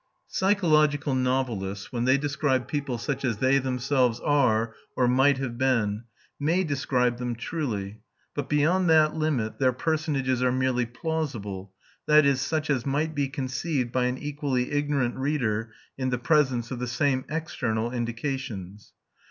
Psychological novelists, when they describe people such as they themselves are or might have been, may describe them truly; but beyond that limit their personages are merely plausible, that is, such as might be conceived by an equally ignorant reader in the presence of the same external indications.